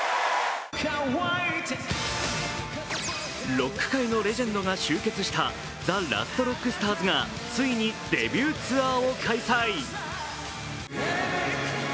ロック界のレジェンドが集結したＴＨＥＬＡＳＴＲＯＣＫＳＴＡＲＳがついにデビューツアーを開催。